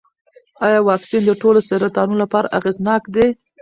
ایا واکسین د ټولو سرطانونو لپاره اغېزناک دی؟